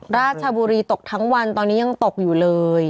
ราชบุรีตกทั้งวันตอนนี้ยังตกอยู่เลย